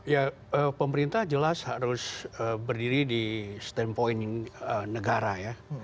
ya pemerintah jelas harus berdiri di standpoint negara ya